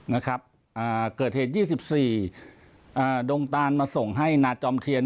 นะครับอ่าเกิดเหตุยี่สิบสี่อ่าดงตานมาส่งให้นาจอมเทียน